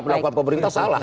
pelakuan pemerintah salah